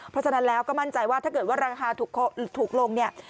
เพราะฉะนั้นแล้วก็มั่นใจว่าถ้าเกิดว่าราคาถูกลงเนี่ย